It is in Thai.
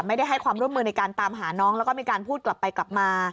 ให้ความร่วมมือในการตามหาน้องแล้วก็มีการพูดกลับไปกลับมา